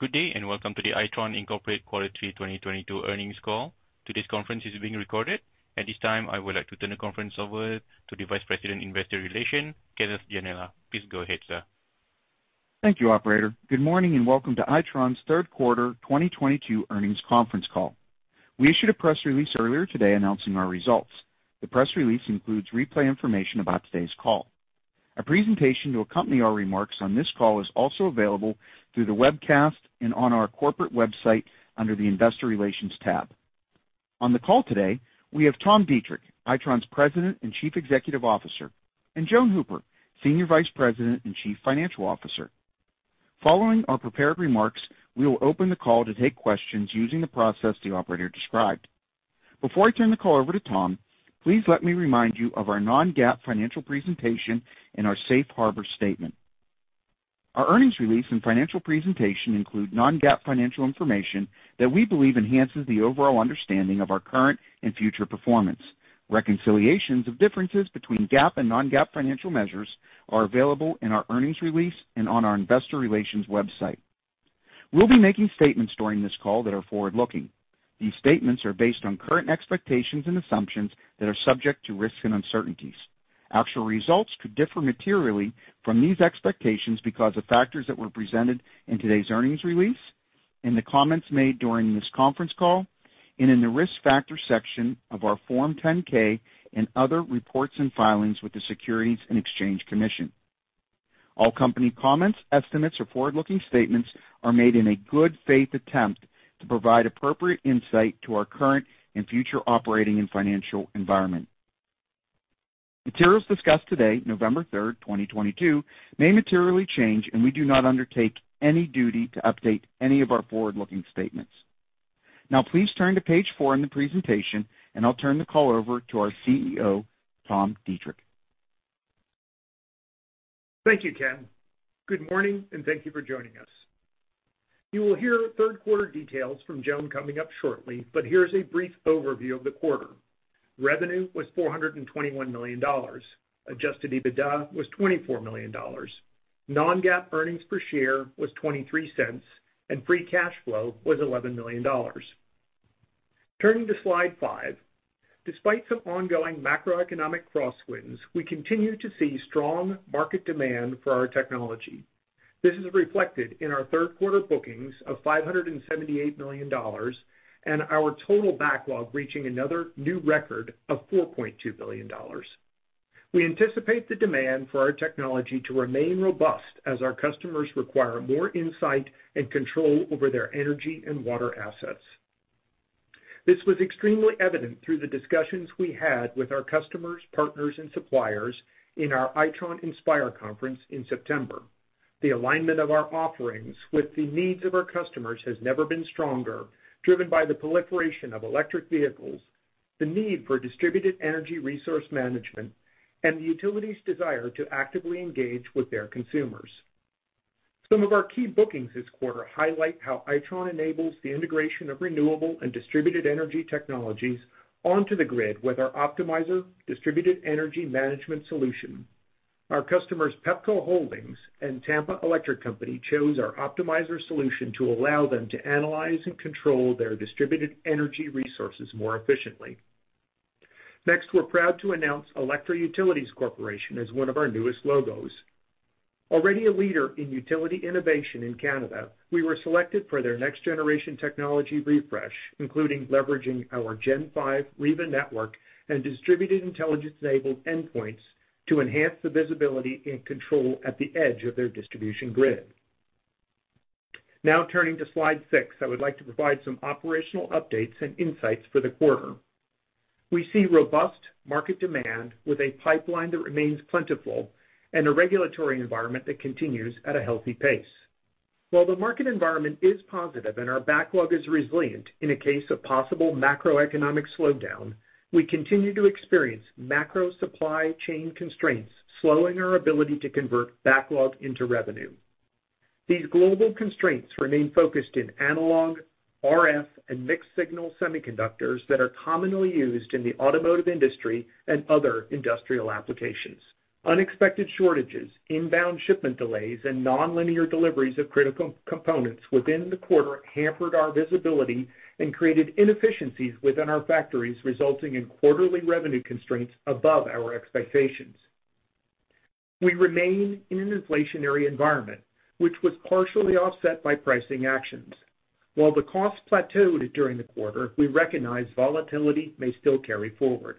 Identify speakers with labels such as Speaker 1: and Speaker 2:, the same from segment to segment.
Speaker 1: Good day, and welcome to the Itron Inc. Quarter Three 2022 Earnings Call. Today's conference is being recorded. At this time, I would like to turn the conference over to the Vice President, Investor Relations, Kenneth Gianella. Please go ahead, sir.
Speaker 2: Thank you, operator. Good morning, and welcome to Itron's Third Quarter 2022 Earnings Conference Call. We issued a press release earlier today announcing our results. The press release includes replay information about today's call. A presentation to accompany our remarks on this call is also available through the webcast and on our corporate website under the investor relations tab. On the call today, we have Tom Deitrich, Itron's President and Chief Executive Officer, and Joan Hooper, Senior Vice President and Chief Financial Officer. Following our prepared remarks, we will open the call to take questions using the process the operator described. Before I turn the call over to Tom, please let me remind you of our non-GAAP financial presentation and our safe harbor statement. Our earnings release and financial presentation include non-GAAP financial information that we believe enhances the overall understanding of our current and future performance. Reconciliations of differences between GAAP and non-GAAP financial measures are available in our earnings release and on our investor relations website. We'll be making statements during this call that are forward-looking. These statements are based on current expectations and assumptions that are subject to risks and uncertainties. Actual results could differ materially from these expectations because of factors that were presented in today's earnings release and the comments made during this conference call, and in the risk factor section of our Form 10-K and other reports and filings with the Securities and Exchange Commission. All company comments, estimates or forward-looking statements are made in a good faith attempt to provide appropriate insight to our current and future operating and financial environment. Materials discussed today, November 3rd, 2022, may materially change, and we do not undertake any duty to update any of our forward-looking statements. Now please turn to page four in the presentation, and I'll turn the call over to our CEO, Tom Deitrich.
Speaker 3: Thank you, Ken. Good morning, and thank you for joining us. You will hear third quarter details from Joan coming up shortly. Here's a brief overview of the quarter. Revenue was $421 million. Adjusted EBITDA was $24 million. Non-GAAP earnings per share was $0.23 and free cash flow was $11 million. Turning to slide five. Despite some ongoing macroeconomic crosswinds, we continue to see strong market demand for our technology. This is reflected in our third quarter bookings of $578 million and our total backlog reaching another new record of $4.2 billion. We anticipate the demand for our technology to remain robust as our customers require more insight and control over their energy and water assets. This was extremely evident through the discussions we had with our customers, partners and suppliers in our Itron Inspire conference in September. The alignment of our offerings with the needs of our customers has never been stronger, driven by the proliferation of electric vehicles, the need for distributed energy resource management, and the utility's desire to actively engage with their consumers. Some of our key bookings this quarter highlight how Itron enables the integration of renewable and distributed energy technologies onto the grid with our Optimizer distributed energy management solution. Our customers, Pepco Holdings and Tampa Electric Company, chose our Optimizer solution to allow them to analyze and control their distributed energy resources more efficiently. Next, we're proud to announce Alectra Utilities Corporation as one of our newest logos. Already a leader in utility innovation in Canada, we were selected for their next generation technology refresh, including leveraging our Gen5 Riva network and distributed intelligence-enabled endpoints to enhance the visibility and control at the edge of their distribution grid. Now turning to slide six. I would like to provide some operational updates and insights for the quarter. We see robust market demand with a pipeline that remains plentiful and a regulatory environment that continues at a healthy pace. While the market environment is positive and our backlog is resilient in a case of possible macroeconomic slowdown, we continue to experience macro supply chain constraints, slowing our ability to convert backlog into revenue. These global constraints remain focused in analog, RF, and mixed signal semiconductors that are commonly used in the automotive industry and other industrial applications. Unexpected shortages, inbound shipment delays, and nonlinear deliveries of critical components within the quarter hampered our visibility and created inefficiencies within our factories, resulting in quarterly revenue constraints above our expectations. We remain in an inflationary environment, which was partially offset by pricing actions. While the cost plateaued during the quarter, we recognize volatility may still carry forward.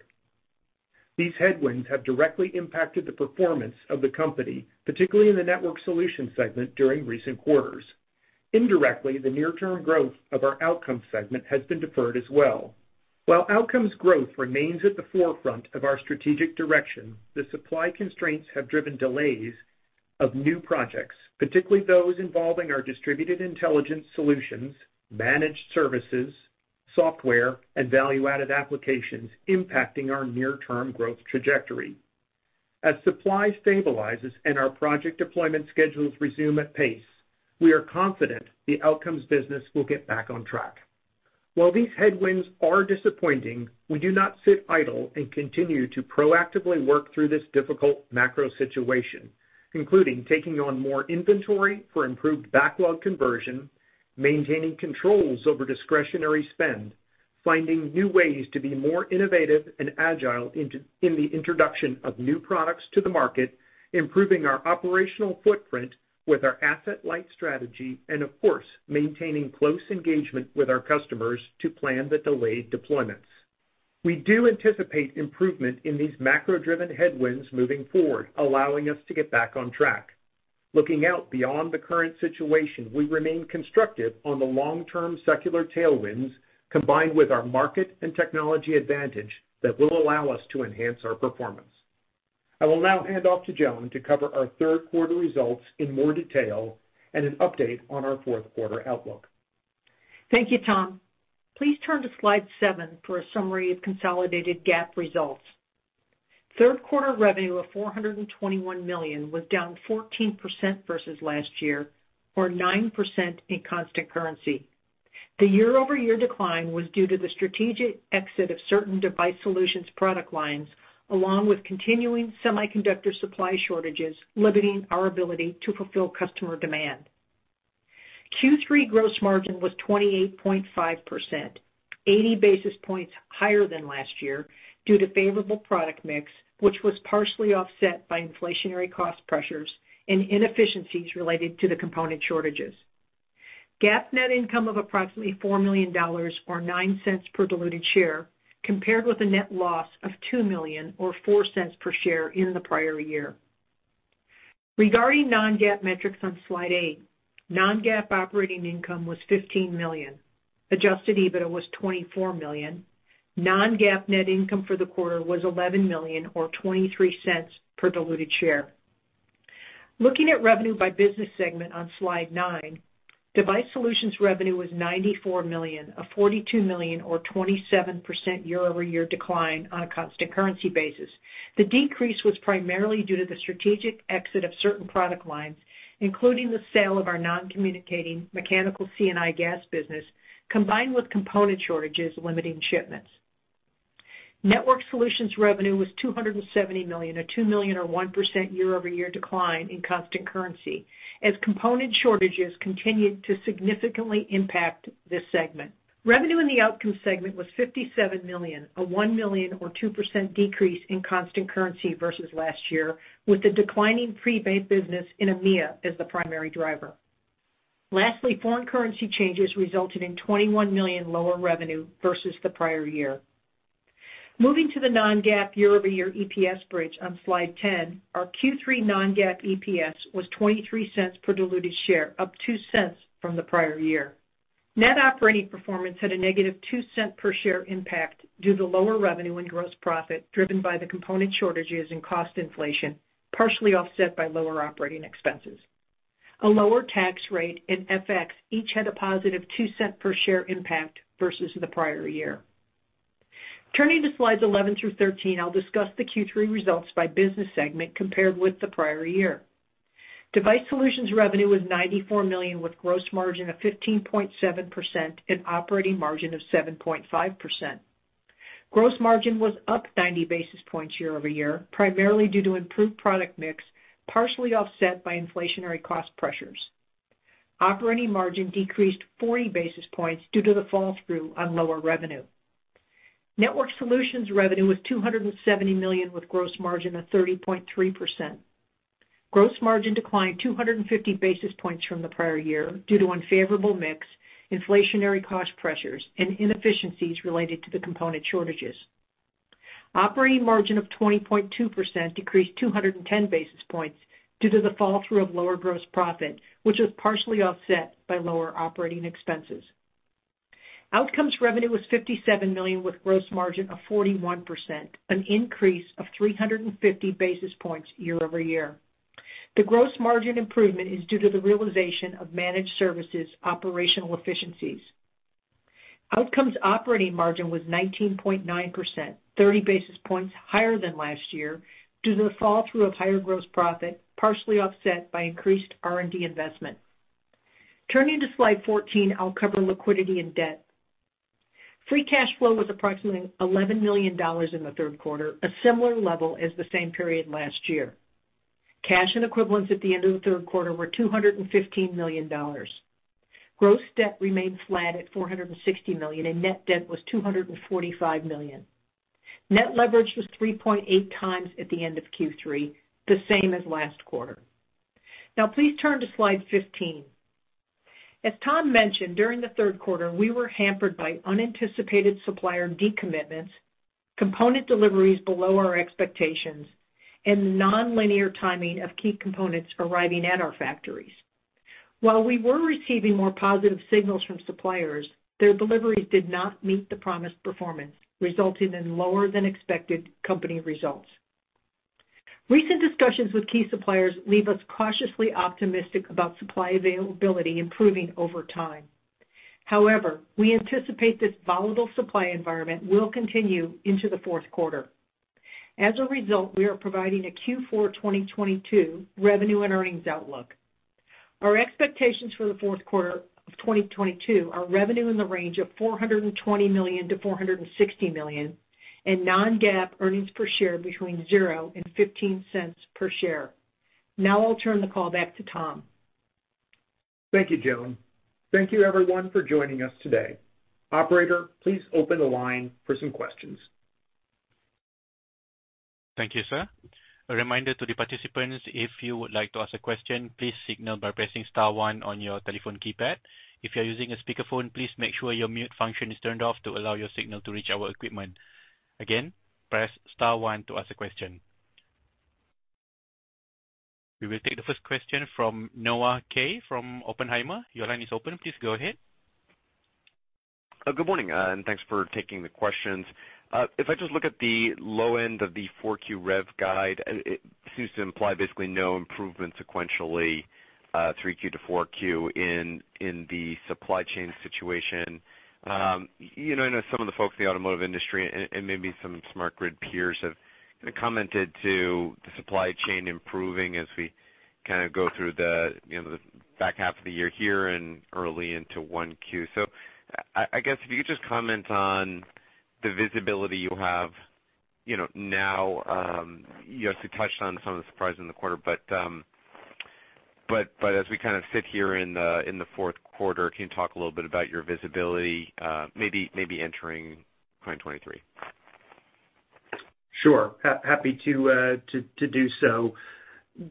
Speaker 3: These headwinds have directly impacted the performance of the company, particularly in the Networked Solutions segment during recent quarters. Indirectly, the near term growth of our Outcomes segment has been deferred as well. While Outcomes growth remains at the forefront of our strategic direction, the supply constraints have driven delays of new projects, particularly those involving our distributed intelligence solutions, managed services, software and value-added applications impacting our near-term growth trajectory. As supply stabilizes and our project deployment schedules resume at pace, we are confident the Outcomes business will get back on track. While these headwinds are disappointing, we do not sit idle and continue to proactively work through this difficult macro situation, including taking on more inventory for improved backlog conversion, maintaining controls over discretionary spend, finding new ways to be more innovative and agile in the introduction of new products to the market, improving our operational footprint with our asset light strategy, and of course, maintaining close engagement with our customers to plan the delayed deployments. We do anticipate improvement in these macro-driven headwinds moving forward, allowing us to get back on track. Looking out beyond the current situation, we remain constructive on the long-term secular tailwinds, combined with our market and technology advantage that will allow us to enhance our performance. I will now hand off to Joan to cover our third quarter results in more detail and an update on our fourth quarter outlook.
Speaker 4: Thank you, Tom. Please turn to slide seven for a summary of consolidated GAAP results. Third quarter revenue of $421 million was down 14% versus last year, or 9% in constant currency. The year-over-year decline was due to the strategic exit of certain Device Solutions product lines, along with continuing semiconductor supply shortages, limiting our ability to fulfill customer demand. Q3 gross margin was 28.5%, 80 basis points higher than last year due to favorable product mix, which was partially offset by inflationary cost pressures and inefficiencies related to the component shortages. GAAP net income of approximately $4 million or $0.09 per diluted share compared with a net loss of $2 million or $0.04 per share in the prior year. Regarding non-GAAP metrics on slide eight, non-GAAP operating income was $15 million. Adjusted EBITDA was $24 million. Non-GAAP net income for the quarter was $11 million or $0.23 per diluted share. Looking at revenue by business segment on slide nine, Device Solutions revenue was $94 million, a $42 million or 27% year-over-year decline on a constant currency basis. The decrease was primarily due to the strategic exit of certain product lines, including the sale of our non-communicating mechanical C&I gas business, combined with component shortages limiting shipments. Networked Solutions revenue was $270 million, a $2 million or 1% year-over-year decline in constant currency as component shortages continued to significantly impact this segment. Revenue in the Outcomes segment was $57 million, a $1 million or 2% decrease in constant currency versus last year, with the declining prepaid business in EMEA as the primary driver. Lastly, foreign currency changes resulted in $21 million lower revenue versus the prior year. Moving to the non-GAAP year-over-year EPS bridge on slide 10, our Q3 non-GAAP EPS was $0.23 per diluted share, up $0.02 from the prior year. Net operating performance had a -$0.02 per share impact due to lower revenue and gross profit driven by the component shortages and cost inflation, partially offset by lower operating expenses. A lower tax rate and FX each had a +$0.02 per share impact versus the prior year. Turning to slides 11 through 13, I'll discuss the Q3 results by business segment compared with the prior year. Device Solutions revenue was $94 million, with gross margin of 15.7% and operating margin of 7.5%. Gross margin was up 90 basis points year-over-year, primarily due to improved product mix, partially offset by inflationary cost pressures. Operating margin decreased 40 basis points due to the fall-through on lower revenue. Networked Solutions revenue was $270 million with gross margin of 30.3%. Gross margin declined 250 basis points from the prior year due to unfavorable mix, inflationary cost pressures, and inefficiencies related to the component shortages. Operating margin of 20.2% decreased 210 basis points due to the fall-through of lower gross profit, which was partially offset by lower operating expenses. Outcomes revenue was $57 million, with gross margin of 41%, an increase of 350 basis points year-over-year. The gross margin improvement is due to the realization of managed services operational efficiencies. Outcomes operating margin was 19.9%, 30 basis points higher than last year due to the flow-through of higher gross profit, partially offset by increased R&D investment. Turning to slide 14, I'll cover liquidity and debt. Free cash flow was approximately $11 million in the third quarter, a similar level as the same period last year. Cash and equivalents at the end of the third quarter were $215 million. Gross debt remained flat at $460 million, and net debt was $245 million. Net leverage was 3.8x at the end of Q3, the same as last quarter. Now please turn to slide 15. As Tom mentioned, during the third quarter, we were hampered by unanticipated supplier decommitments, component deliveries below our expectations, and the nonlinear timing of key components arriving at our factories. While we were receiving more positive signals from suppliers, their deliveries did not meet the promised performance, resulting in lower than expected company results. Recent discussions with key suppliers leave us cautiously optimistic about supply availability improving over time. However, we anticipate this volatile supply environment will continue into the fourth quarter. As a result, we are providing a Q4 2022 revenue and earnings outlook. Our expectations for the fourth quarter of 2022 are revenue in the range of $420 million-$460 million, and non-GAAP earnings per share between $0 and $0.15. Now I'll turn the call back to Tom.
Speaker 3: Thank you, Joan. Thank you everyone for joining us today. Operator, please open the line for some questions.
Speaker 1: Thank you, sir. A reminder to the participants, if you would like to ask a question, please signal by pressing star one on your telephone keypad. If you're using a speakerphone, please make sure your mute function is turned off to allow your signal to reach our equipment. Again, press star one to ask a question. We will take the first question from Noah Kaye from Oppenheimer. Your line is open. Please go ahead.
Speaker 5: Good morning, and thanks for taking the questions. If I just look at the low end of the 4Q rev guide, it seems to imply basically no improvement sequentially, 3Q to 4Q in the supply chain situation. You know, I know some of the folks in the automotive industry and maybe some smart grid peers have commented to the supply chain improving as we kinda go through the back half of the year here and early into 1Q. I guess, if you could just comment on the visibility you have, you know, now, you obviously touched on some of the surprise in the quarter, but as we kind of sit here in the fourth quarter, can you talk a little bit about your visibility, maybe entering 2023?
Speaker 3: Sure. Happy to do so.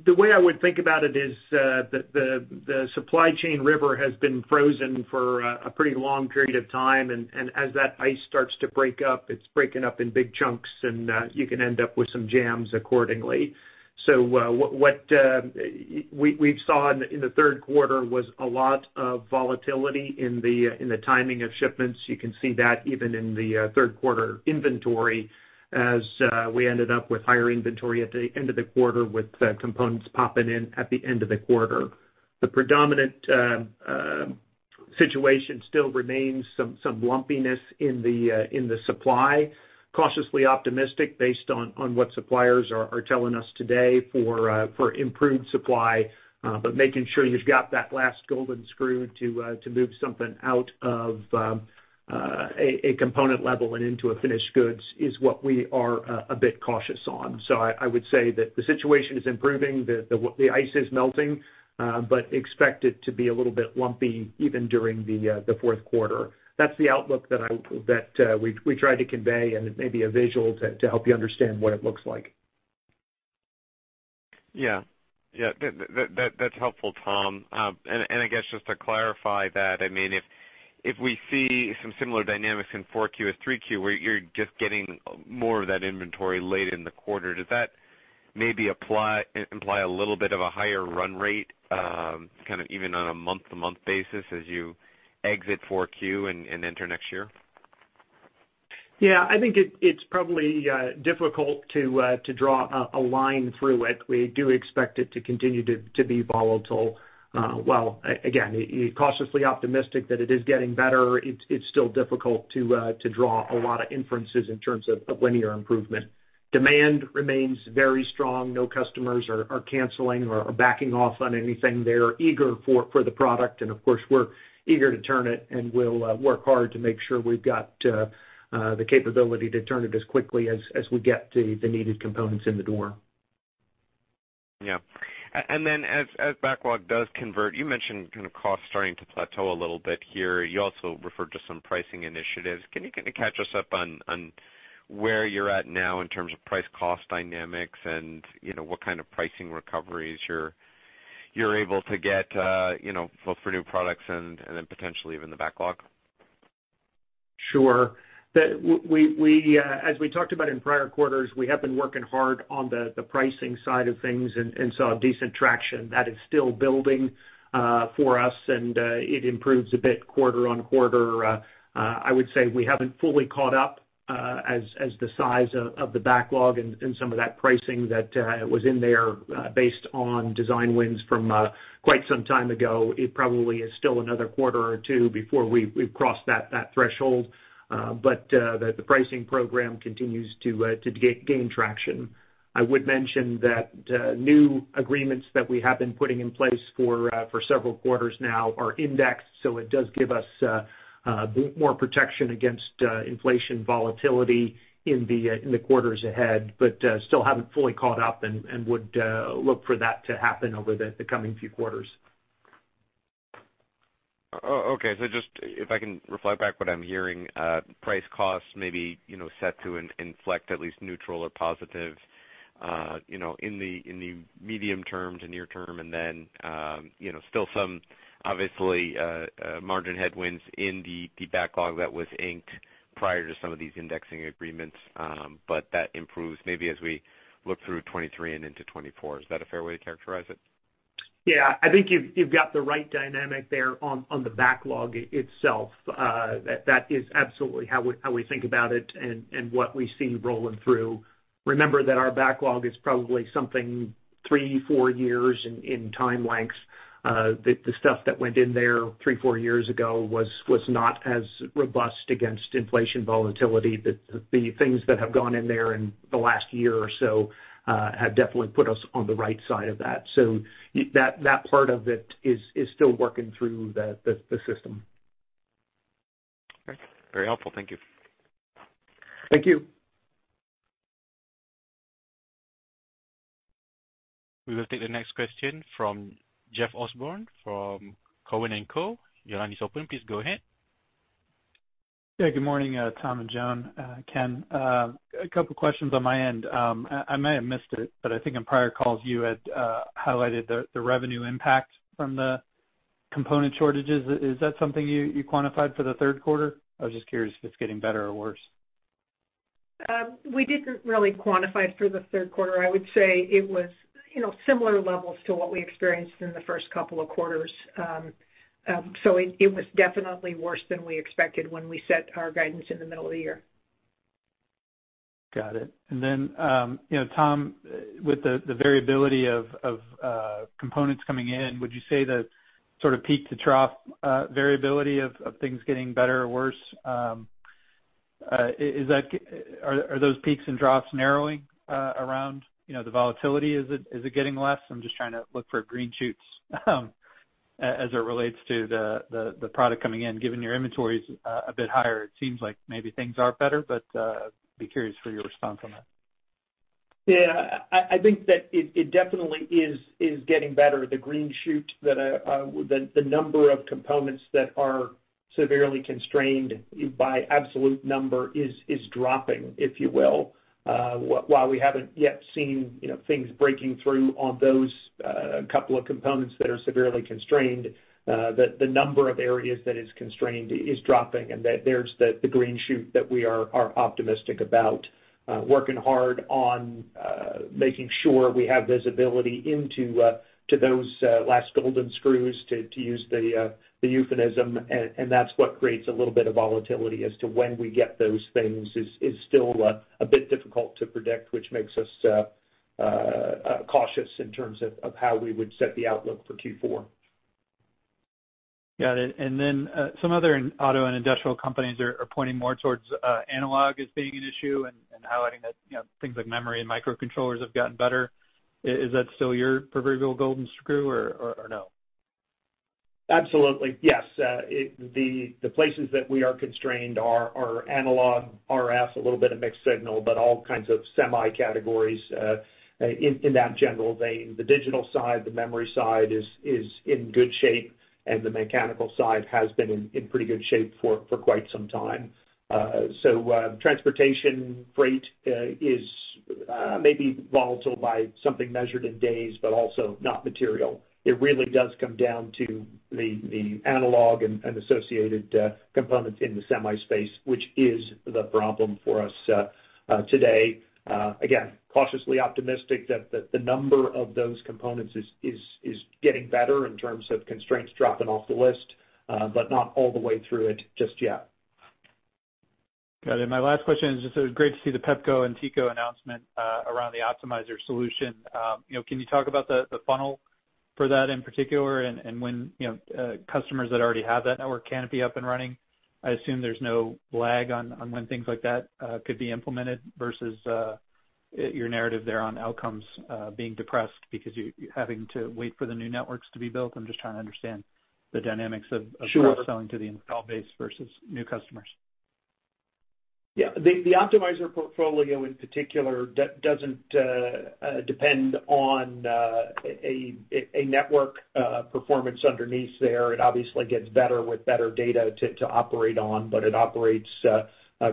Speaker 3: The way I would think about it is, the supply chain river has been frozen for a pretty long period of time, and as that ice starts to break up, it's breaking up in big chunks, and you can end up with some jams accordingly. What we saw in the third quarter was a lot of volatility in the timing of shipments. You can see that even in the third quarter inventory as we ended up with higher inventory at the end of the quarter with components popping in at the end of the quarter. The predominant situation still remains some lumpiness in the supply. Cautiously optimistic based on what suppliers are telling us today for improved supply, but making sure you've got that last golden screw to move something out of a component level and into finished goods is what we are a bit cautious on. I would say that the situation is improving, the ice is melting, but expect it to be a little bit lumpy even during the fourth quarter. That's the outlook that we tried to convey, and it may be a visual to help you understand what it looks like.
Speaker 5: Yeah. That's helpful, Tom. I guess just to clarify that, I mean, if we see some similar dynamics in 4Q as 3Q, where you're just getting more of that inventory late in the quarter, does that maybe imply a little bit of a higher run rate, kind of even on a month-to-month basis as you exit 4Q and enter next year?
Speaker 3: Yeah. I think it's probably difficult to draw a line through it. We do expect it to continue to be volatile. While again, cautiously optimistic that it is getting better, it's still difficult to draw a lot of inferences in terms of linear improvement. Demand remains very strong. No customers are canceling or backing off on anything. They're eager for the product and, of course, we're eager to turn it, and we'll work hard to make sure we've got the capability to turn it as quickly as we get the needed components in the door.
Speaker 5: Yeah. Then as backlog does convert, you mentioned kind of costs starting to plateau a little bit here. You also referred to some pricing initiatives. Can you kinda catch us up on where you're at now in terms of price cost dynamics and, you know, what kind of pricing recoveries you're able to get, you know, both for new products and then potentially even the backlog?
Speaker 3: Sure. We, as we talked about in prior quarters, we have been working hard on the pricing side of things and saw a decent traction. That is still building for us and it improves a bit quarter-over-quarter. I would say we haven't fully caught up as the size of the backlog and some of that pricing that was in there based on design wins from quite some time ago. It probably is still another quarter or two before we've crossed that threshold. The pricing program continues to gain traction. I would mention that new agreements that we have been putting in place for several quarters now are indexed, so it does give us more protection against inflation volatility in the quarters ahead. Still haven't fully caught up and would look for that to happen over the coming few quarters.
Speaker 5: Okay. Just if I can reflect back what I'm hearing, price costs may be, you know, set to inflect at least neutral or positive, you know, in the medium term to near term. Then, you know, still some obviously margin headwinds in the backlog that was inked prior to some of these indexing agreements, but that improves maybe as we look through 2023 and into 2024. Is that a fair way to characterize it?
Speaker 3: Yeah. I think you've got the right dynamic there on the backlog itself. That is absolutely how we think about it and what we see rolling through. Remember that our backlog is probably something three, four years in time lengths. The stuff that went in there three, four years ago was not as robust against inflation volatility. The things that have gone in there in the last year or so have definitely put us on the right side of that. That part of it is still working through the system.
Speaker 5: Okay. Very helpful. Thank you.
Speaker 3: Thank you.
Speaker 1: We will take the next question from Jeff Osborne from Cowen and Co. Your line is open. Please go ahead.
Speaker 6: Yeah, good morning, Tom and Joan, Ken. A couple questions on my end. I may have missed it, but I think in prior calls you had highlighted the revenue impact from the component shortages. Is that something you quantified for the third quarter? I was just curious if it's getting better or worse.
Speaker 4: We didn't really quantify through the third quarter. I would say it was, you know, similar levels to what we experienced in the first couple of quarters. It was definitely worse than we expected when we set our guidance in the middle of the year.
Speaker 6: Got it. Then, you know, Tom, with the variability of components coming in, would you say the sort of peak to trough variability of things getting better or worse, are those peaks and troughs narrowing around the volatility? Is it getting less? I'm just trying to look for green shoots, as it relates to the product coming in. Given your inventory is a bit higher, it seems like maybe things are better, but I'd be curious for your response on that.
Speaker 3: Yeah. I think that it definitely is getting better. The green shoot that the number of components that are severely constrained by absolute number is dropping, if you will. While we haven't yet seen, you know, things breaking through on those couple of components that are severely constrained, the number of areas that is constrained is dropping and that there's the green shoot that we are optimistic about. Working hard on making sure we have visibility into to those last golden screws, to use the euphemism, and that's what creates a little bit of volatility as to when we get those things is still a bit difficult to predict, which makes us cautious in terms of how we would set the outlook for Q4.
Speaker 6: Got it. Some other auto and industrial companies are pointing more towards analog as being an issue and highlighting that, you know, things like memory and microcontrollers have gotten better. Is that still your proverbial golden screw or no?
Speaker 3: Absolutely. Yes. The places that we are constrained are analog, RFs, a little bit of mixed signal, but all kinds of semi categories, in that general vein. The digital side, the memory side is in good shape, and the mechanical side has been in pretty good shape for quite some time. Transportation freight is maybe volatile by something measured in days, but also not material. It really does come down to the analog and associated components in the semi space, which is the problem for us today. Again, cautiously optimistic that the number of those components is getting better in terms of constraints dropping off the list, but not all the way through it just yet.
Speaker 6: Got it. My last question is just sort of great to see the Pepco and TECO announcement around the Optimizer solution. Can you talk about the funnel for that in particular and when customers that already have that network canopy up and running? I assume there's no lag on when things like that could be implemented versus your narrative there on Outcomes being depressed because you're having to wait for the new networks to be built. I'm just trying to understand the dynamics of.
Speaker 3: Sure
Speaker 6: Of cross-selling to the installed base versus new customers.
Speaker 3: Yeah. The Optimizer portfolio in particular doesn't depend on a network performance underneath there. It obviously gets better with better data to operate on, but it operates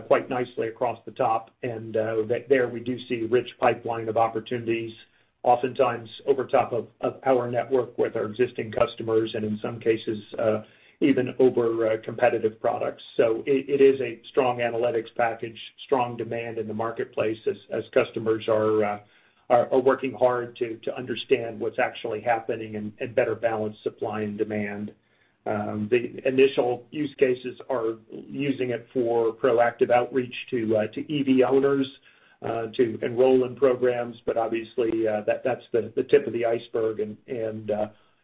Speaker 3: quite nicely across the top. There we do see rich pipeline of opportunities, oftentimes over top of our network with our existing customers and in some cases even over competitive products. It is a strong analytics package, strong demand in the marketplace as customers are working hard to understand what's actually happening and better balance supply and demand. The initial use cases are using it for proactive outreach to EV owners to enroll in programs, but obviously, that's the tip of the iceberg and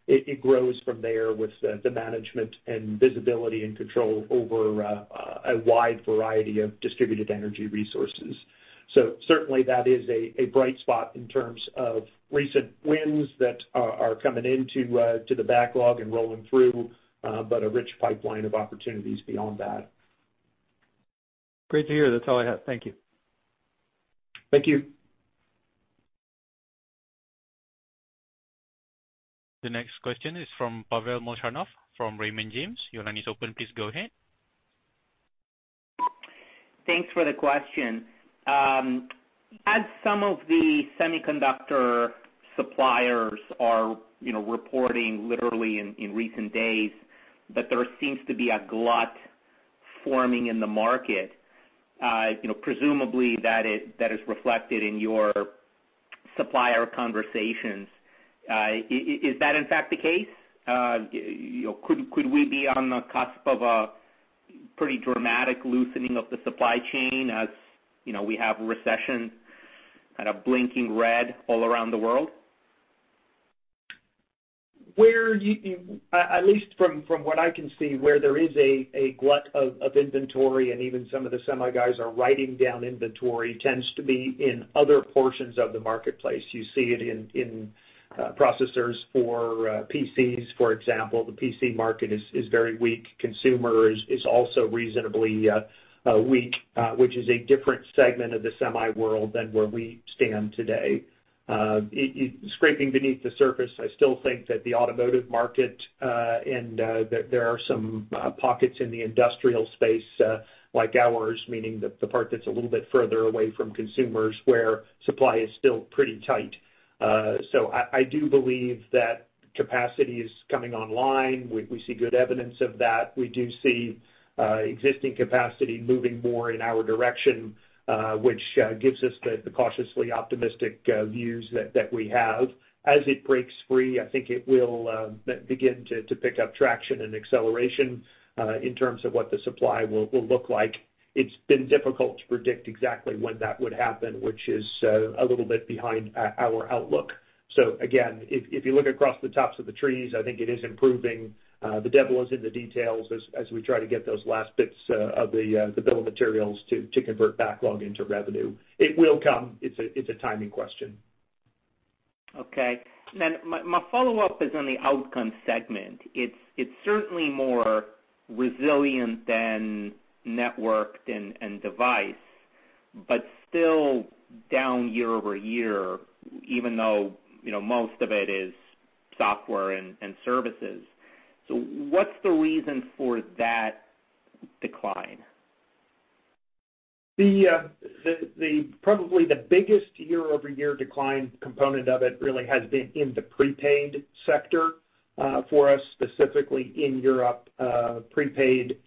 Speaker 3: it grows from there with the management and visibility and control over a wide variety of distributed energy resources. Certainly that is a bright spot in terms of recent wins that are coming into the backlog and rolling through, but a rich pipeline of opportunities beyond that.
Speaker 6: Great to hear. That's all I have. Thank you.
Speaker 3: Thank you.
Speaker 1: The next question is from Pavel Molchanov, from Raymond James. Your line is open. Please go ahead.
Speaker 7: Thanks for the question. As some of the semiconductor suppliers are, you know, reporting literally in recent days that there seems to be a glut forming in the market, you know, presumably that is reflected in your supplier conversations. Is that in fact the case? You know, could we be on the cusp of a pretty dramatic loosening of the supply chain as, you know, we have recession kind of blinking red all around the world?
Speaker 3: Where you're at least from what I can see, where there is a glut of inventory and even some of the semi guys are writing down inventory tends to be in other portions of the marketplace. You see it in processors for PCs, for example. The PC market is very weak. Consumer is also reasonably weak, which is a different segment of the semi world than where we stand today. Scraping beneath the surface, I still think that the automotive market and there are some pockets in the industrial space like ours, meaning the part that's a little bit further away from consumers, where supply is still pretty tight. I do believe that capacity is coming online. We see good evidence of that. We do see existing capacity moving more in our direction, which gives us the cautiously optimistic views that we have. As it breaks free, I think it will begin to pick up traction and acceleration in terms of what the supply will look like. It's been difficult to predict exactly when that would happen, which is a little bit behind our outlook. Again, if you look across the tops of the trees, I think it is improving. The devil is in the details as we try to get those last bits of the bill of materials to convert backlog into revenue. It will come. It's a timing question.
Speaker 7: Okay. My follow-up is on the Outcomes segment. It's certainly more resilient than network and device, but still down year-over-year, even though, you know, most of it is software and services. What's the reason for that decline?
Speaker 3: Probably the biggest year-over-year decline component of it really has been in the prepaid sector for us, specifically in Europe. Prepaid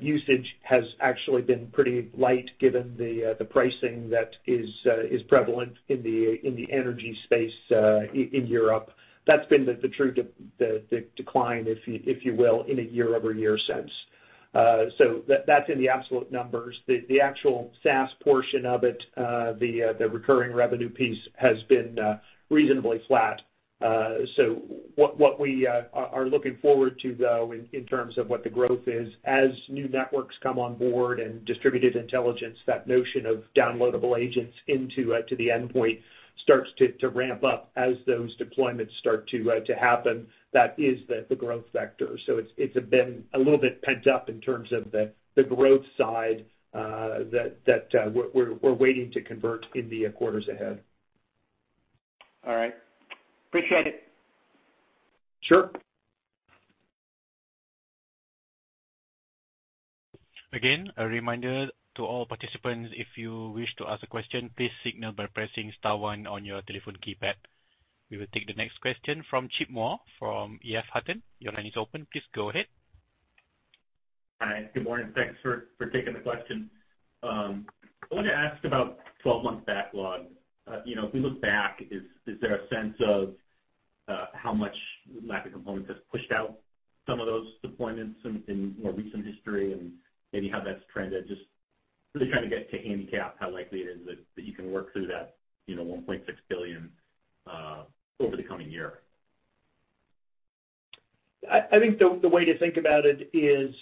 Speaker 3: usage has actually been pretty light given the pricing that is prevalent in the energy space in Europe. That's been the true decline, if you will, in a year-over-year sense. That's in the absolute numbers. The actual SaaS portion of it, the recurring revenue piece has been reasonably flat. What we are looking forward to, though, in terms of what the growth is, as new networks come on board and distributed intelligence, that notion of downloadable agents into the endpoint starts to ramp up as those deployments start to happen. That is the growth sector. It's been a little bit pent up in terms of the growth side that we're waiting to convert in the quarters ahead.
Speaker 7: All right. Appreciate it.
Speaker 3: Sure.
Speaker 1: Again, a reminder to all participants, if you wish to ask a question, please signal by pressing star one on your telephone keypad. We will take the next question from Chip Moore from EF Hutton. Your line is open. Please go ahead.
Speaker 8: Hi, good morning. Thanks for taking the question. I wanted to ask about 12-month backlog. You know, if we look back, is there a sense of how much lack of components has pushed out some of those deployments in more recent history and maybe how that's trended? Just really trying to get to handicap how likely it is that you can work through that, you know, $1.6 billion over the coming year.
Speaker 3: I think the way to think about it is,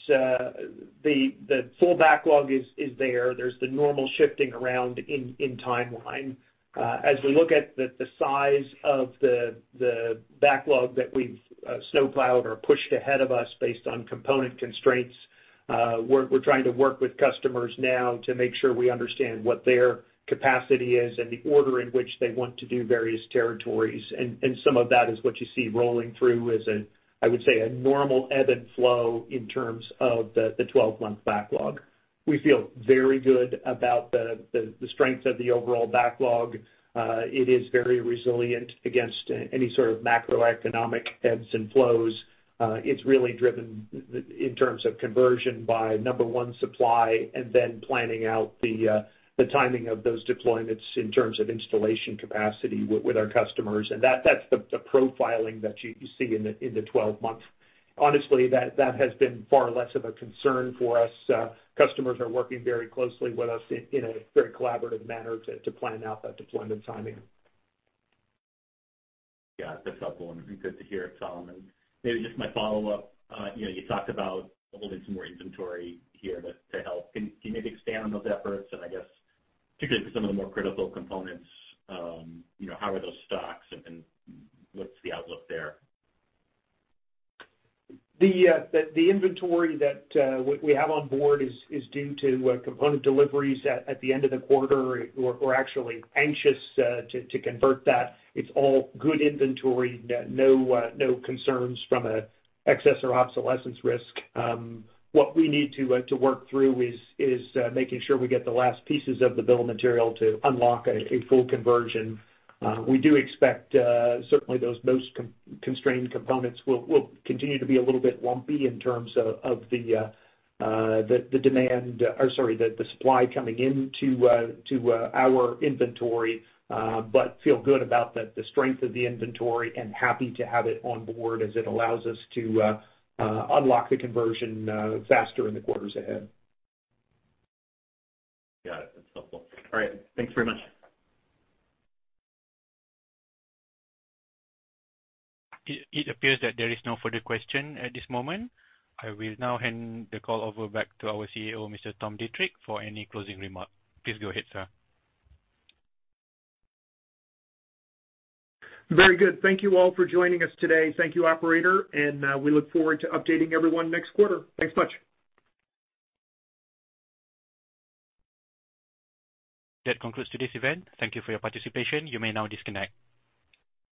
Speaker 3: the full backlog is there. There's the normal shifting around in timeline. As we look at the size of the backlog that we've snowplowed or pushed ahead of us based on component constraints, we're trying to work with customers now to make sure we understand what their capacity is and the order in which they want to do various territories. Some of that is what you see rolling through as, I would say, a normal ebb and flow in terms of the 12-month backlog. We feel very good about the strength of the overall backlog. It is very resilient against any sort of macroeconomic ebbs and flows. It's really driven in terms of conversion by, number one, supply, and then planning out the timing of those deployments in terms of installation capacity with our customers. That's the profiling that you see in the 12 months. Honestly, that has been far less of a concern for us. Customers are working very closely with us in a very collaborative manner to plan out that deployment timing.
Speaker 8: Yeah, that's helpful and good to hear, Tom. Maybe just my follow-up. You know, you talked about building some more inventory here to help. Can you maybe expand on those efforts? I guess, particularly for some of the more critical components, you know, how are those stocks and what's the outlook there?
Speaker 3: The inventory that we have on board is due to component deliveries at the end of the quarter. We're actually anxious to convert that. It's all good inventory. No concerns from an excess or obsolescence risk. What we need to work through is making sure we get the last pieces of the bill of material to unlock a full conversion. We do expect certainly those constrained components will continue to be a little bit lumpy in terms of the demand, or sorry, the supply coming into our inventory. Feel good about the strength of the inventory and happy to have it on board as it allows us to unlock the conversion faster in the quarters ahead.
Speaker 8: Got it. That's helpful. All right. Thanks very much.
Speaker 1: It appears that there is no further question at this moment. I will now hand the call over back to our CEO, Mr. Tom Deitrich, for any closing remark. Please go ahead, sir.
Speaker 3: Very good. Thank you all for joining us today. Thank you, operator. We look forward to updating everyone next quarter. Thanks much.
Speaker 1: That concludes today's event. Thank you for your participation. You may now disconnect.